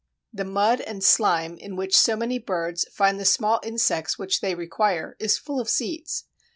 The mud and slime in which so many birds find the small insects which they require is full of seeds.